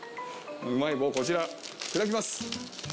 うまい棒こちら砕きます